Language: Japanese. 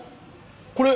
これ。